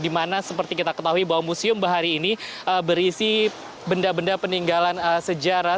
dimana seperti kita ketahui bahwa museum bahari ini berisi benda benda peninggalan sejarah